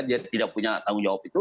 dia tidak punya tanggung jawab itu